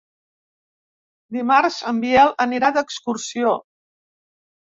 Dimarts en Biel anirà d'excursió.